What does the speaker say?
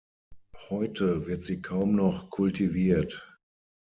Heute wird sie kaum noch kultiviert.